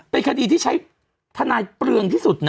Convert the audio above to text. เป็นคดีที่ใช้ทนายเปลืองที่สุดนะ